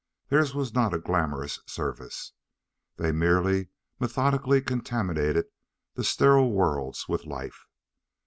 Theirs was not a glamorous service. They merely methodically contaminated the sterile worlds with life.